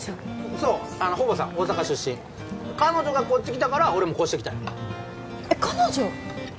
そう保母さん大阪出身彼女がこっち来たから俺も越してきたんやえっ彼女？